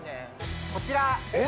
こちら。